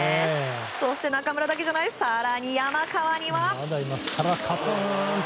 そして中村だけじゃない山川には。